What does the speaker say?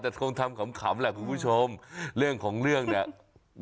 แต่คงทำขำแหละคุณผู้ชมเรื่องของเรื่องเนี่ย